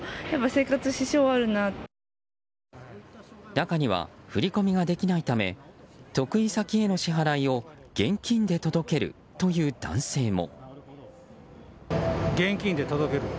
中には振り込みができないため得意先への支払いを現金で届けるという男性も。